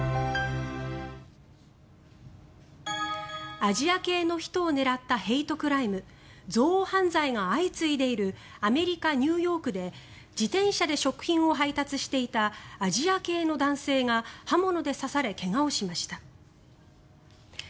アジア系の人を狙ったヘイトクライム、憎悪犯罪が相次いでいるアメリカ・ニューヨークで自転車で食品を配達していたアジア系の男性が刃物で刺され怪我をしました。